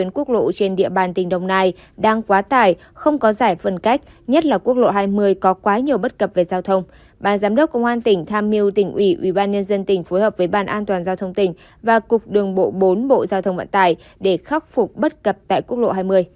nếu có giải phân cách nhất là quốc lộ hai mươi có quá nhiều bất cập về giao thông bà giám đốc công an tỉnh tham miêu tỉnh ủy ubnd tỉnh phối hợp với bàn an toàn giao thông tỉnh và cục đường bộ bốn bộ giao thông vạn tài để khắc phục bất cập tại quốc lộ hai mươi